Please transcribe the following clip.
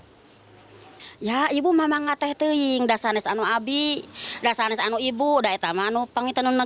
kartini menerima jika rumah yang telah dibangun dengan biaya enam puluh juta rupiah itu harus ditetipkan